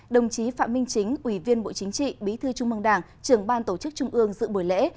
đồng chí phạm minh chính ủy viên bộ chính trị bí thư trung mương đảng trưởng ban tổ chức trung ương dự buổi lễ